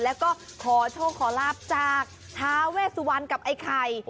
แล้วก็ขอโชคขอลาบจากท้าเวสวรรณกับไอ้ไข่